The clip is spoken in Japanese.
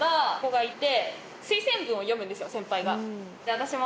私も。